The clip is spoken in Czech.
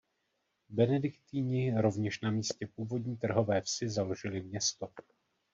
Benediktini rovněž na místě původní trhové vsi založili město.